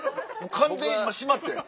完全に今締まったやん。